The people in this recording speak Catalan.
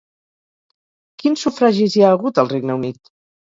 Quins sufragis hi ha hagut al Regne Unit?